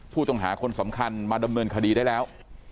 ผู้ต้องหาคนสำคัญมาดำเนินคดีได้แล้ว